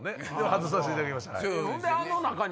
外させていただきました。